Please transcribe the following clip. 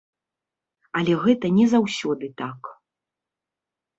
Але гэта не заўсёды так.